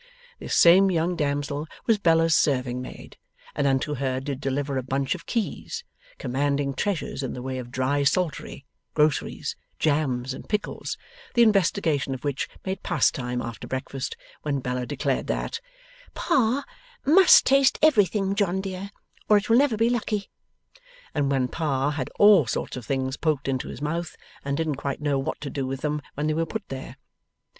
This same young damsel was Bella's serving maid, and unto her did deliver a bunch of keys, commanding treasures in the way of dry saltery, groceries, jams and pickles, the investigation of which made pastime after breakfast, when Bella declared that 'Pa must taste everything, John dear, or it will never be lucky,' and when Pa had all sorts of things poked into his mouth, and didn't quite know what to do with them when they were put there.